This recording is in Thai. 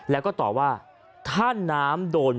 แล้วก็ตอบว่าถ้าน้ำโดน